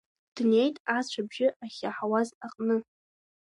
Днеит ацә абжьы ахьиаҳауаз аҟны.